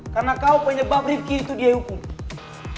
karena kau penyebab rifqi itu dihukum